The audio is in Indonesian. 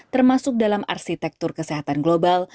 termasuk dalam arsitektur kesehatan global